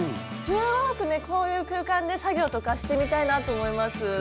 すごくねこういう空間で作業とかしてみたいなと思います。